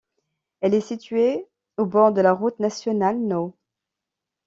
Elle est située au bord de la route nationale No.